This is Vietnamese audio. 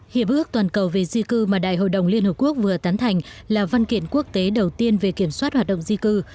hiệp ước toàn cầu về di cư mà đại hội đồng liên hợp quốc vừa tán thành là văn kiện quốc tế đầu tiên về kiểm soát hoạt động di cư